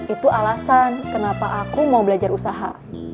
itu alasan kenapa aku mau belajar usaha